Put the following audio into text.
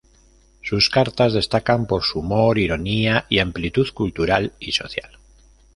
Sus cartas destacan por su humor, ironía y amplitud cultural y social.